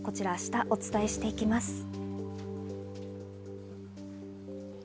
明日お伝えしていきます。